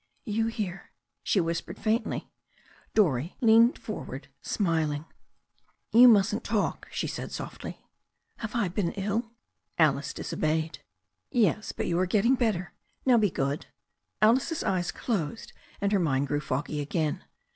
"You here," she whispered faintly. Dorrie leaned forward, smiling. 89 90 THE STORY OF A NEW ZEALAND RIVER "You mustn't talk," she said softly. "Have I been ill?" Alice disobeyed. "Yes, but you are getting better. Now be good." Alice's eyes closed and her mind grew foggy again.